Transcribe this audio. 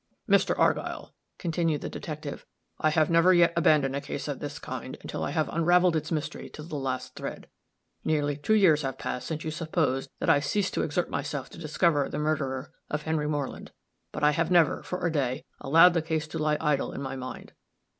"Mr. Argyll," continued the detective, "I have never yet abandoned a case of this kind until I have unraveled its mystery to the last thread. Nearly two years have passed since you supposed that I ceased to exert myself to discover the murderer of Henry Moreland. But I have never, for a day, allowed the case to lie idle in my mind.